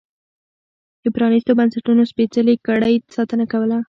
د پرانیستو بنسټونو سپېڅلې کړۍ ساتنه کوله.